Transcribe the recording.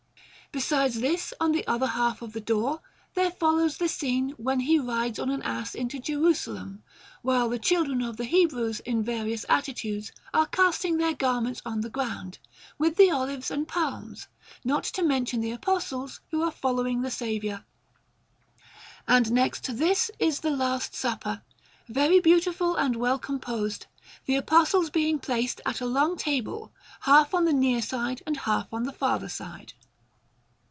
Beside this, on the other half of the door, there follows the scene when He rides on an ass into Jerusalem, while the children of the Hebrews, in various attitudes, are casting their garments on the ground, with the olives and palms; not to mention the Apostles, who are following the Saviour. And next to this is the Last Supper, very beautiful and well composed, the Apostles being placed at a long table, half on the near side and half on the farther side.